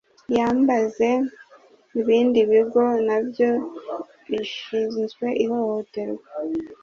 iyambaze ibindi bigo nabyo bishinzwe ihohoterwa,